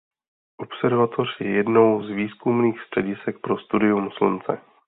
Observatoř je jednou z výzkumných středisek pro studium Slunce.